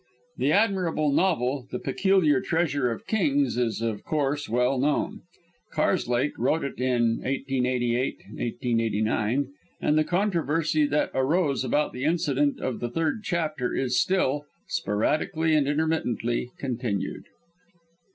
The admirable novel, "The Peculiar Treasure of Kings," is of course well known. Karslake wrote it in 1888 89, and the controversy that arose about the incident of the third chapter is still sporadically and intermittently continued.